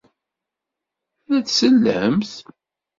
La d-sellemt?